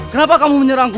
kenapa kamu menyerangku